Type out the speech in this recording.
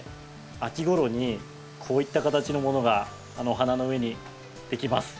秋ごろにこういった形のものがお花の上にできます。